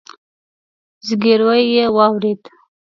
ځګيروی يې واورېد.